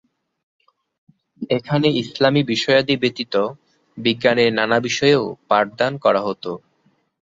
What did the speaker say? এখানে ইসলামী বিষয়াদি ব্যতীত বিজ্ঞানের নানা বিষয়েও পাঠদান করা হতো।